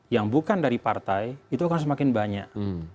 yang bukan dari partai itu akan semakin banyak